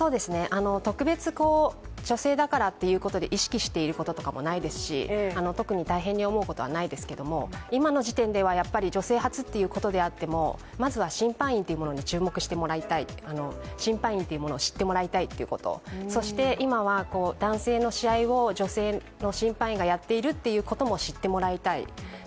特別、女性だからっていうことで意識していることもないですし、特に大変に思うことはないですけども今の時点では女性初ということであっても、審判員っていうものに注目してもらいたい、審判員っていうものを知ってもらいたいっていうこと、そして、今は男性の試合を女性の審判員もやっていることを知ってもらいたい。